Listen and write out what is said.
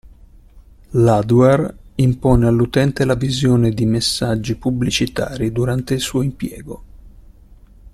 L'adware impone all'utente la visione di messaggi pubblicitari durante il suo impiego.